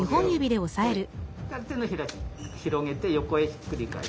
手のひら広げて横へひっくり返す。